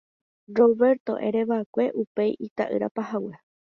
Roberto herava'ekue upe ita'yra pahague.